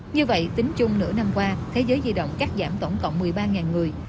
như vậy tính chung nửa năm qua thế giới di động cắt giảm tổng cộng một mươi ba người